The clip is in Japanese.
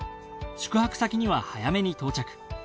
宿泊先には早めに到着。